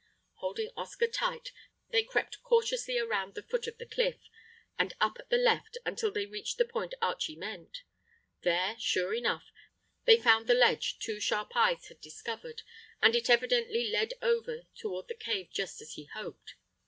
Holding Oscar tight, they crept cautiously around the foot of the cliff, and up at the left, until they reached the point Archie meant. There, sure enough, they found the ledge two sharp eyes had discovered, and it evidently led over toward the cave just as he hoped.